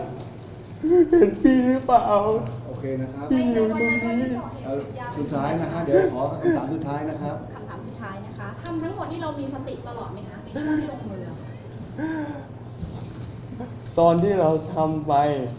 เห็นพี่หรือเปล่า